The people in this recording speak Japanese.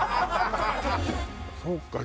そうか。